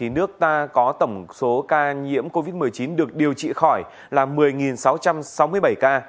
nước ta có tổng số ca nhiễm covid một mươi chín được điều trị khỏi là một mươi sáu trăm sáu mươi bảy ca